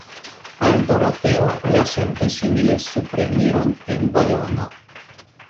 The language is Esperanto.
Al Doroteo la sento similis supreniron en balono.